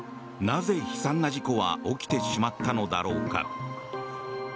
なぜ悲惨な事故は起きてしまったのだろうか。